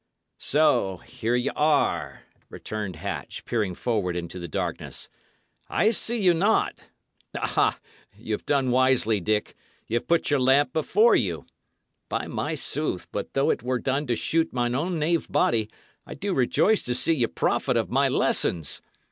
"So here ye are," returned Hatch, peering forward into the darkness. "I see you not. Aha! y' 'ave done wisely, Dick; y' 'ave put your lamp before you. By my sooth, but, though it was done to shoot my own knave body, I do rejoice to see ye profit of my lessons!